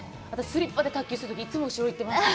スリッパで卓球するとき、いつも、後ろに行ってました。